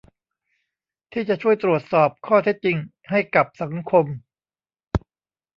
ที่จะช่วยตรวจสอบข้อเท็จจริงให้กับสังคม